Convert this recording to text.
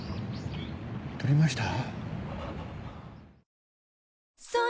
撮りました？